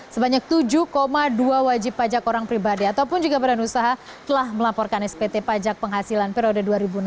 sebanyak tujuh dua wajib pajak orang pribadi ataupun juga badan usaha telah melaporkan spt pajak penghasilan periode dua ribu enam belas dua ribu dua